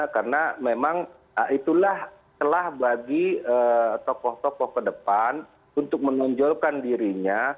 karena memang itulah telah bagi tokoh tokoh ke depan untuk menunjulkan dirinya